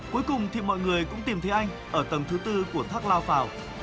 cuối cùng thì mọi người cũng tìm thấy anh ở tầng thứ bốn của thác lao phào